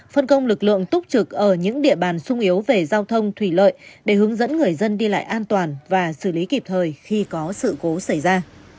phân công lực lượng túc trực ở những địa bàn sung yếu về giao thông thủy lợi để hướng dẫn người dân đi lại an toàn và xử lý kịp thời khi có sự cố xảy ra